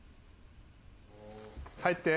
入って。